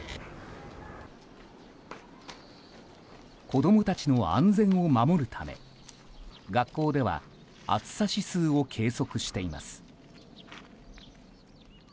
子供たちの安全を守るため学校では暑さ指数を計測しています。